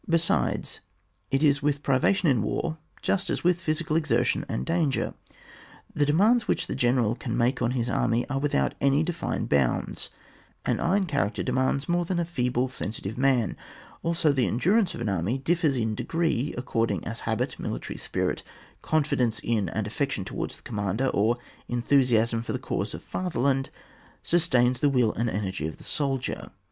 Besides, it is with privation in war just as with physical exertion and danger ; the demands which the general can make on his army are without any defined bounds; an iron character de mands more than a feeble sensitive man; also the endurance of an army differs in degree, according as habit, military spirit, confidence in and affection towards the commander, or enthusiasm for the cause of fatherland, sustain the will and energy of the soldier.